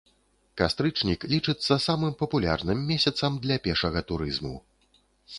Кастрычнік лічыцца самым папулярным месяцам для пешага турызму.